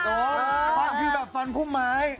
พวกพี่แบบฟันผู้หมาย